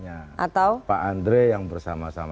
atau pak andre yang bersama sama